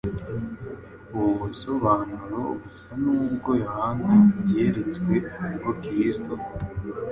Ubu busobanuro busa n’ubwo Yohana yeretswe ubwo Kristo